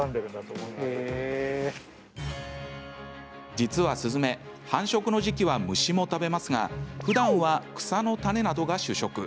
実はスズメ、繁殖の時期は虫も食べますがふだんは草の種などが主食。